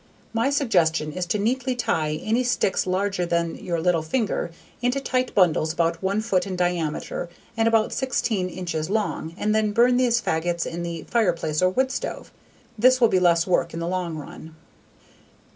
My suggestion is to neatly tie any stick larger than your little finger into tight bundles about one foot in diameter and about 16 inches long and then burn these "faggots" in the fireplace or wood stove. This will be less work in the long run.